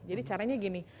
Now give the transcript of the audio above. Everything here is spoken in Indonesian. jadi caranya gini